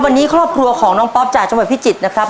วันนี้ครอบครัวของน้องป๊อปจากจังหวัดพิจิตรนะครับ